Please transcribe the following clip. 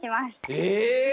え